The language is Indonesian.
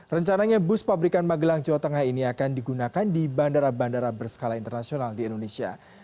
rencananya bus pabrikan magelang jawa tengah ini akan digunakan di bandara bandara berskala internasional di indonesia